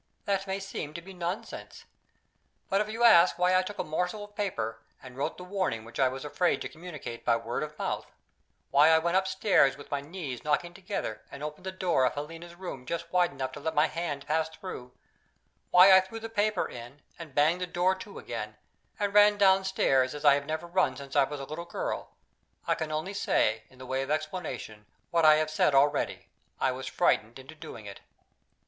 That may seem to be nonsense. But if you ask why I took a morsel of paper, and wrote the warning which I was afraid to communicate by word of mouth why I went upstairs with my knees knocking together, and opened the door of Helena's room just wide enough to let my hand pass through why I threw the paper in, and banged the door to again, and ran downstairs as I have never run since I was a little girl I can only say, in the way of explanation, what I have said already: I was frightened into doing it.